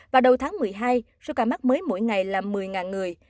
và đầu tháng một mươi hai số ca mắc mới mỗi ngày là một mươi người